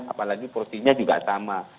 apalagi porsinya juga sama